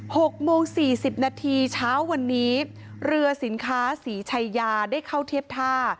หกโมงสี่สิบนาทีเช้าวันนี้เรือสินค้าศรีชายาได้เข้าเทียบท่า